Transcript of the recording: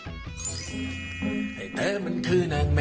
โอ้โหเปี๊ยะเปี๊ยะคุณจนนะ